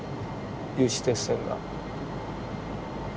有刺鉄線が上は。